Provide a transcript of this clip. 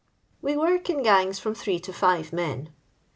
We work in gangs from three to five men."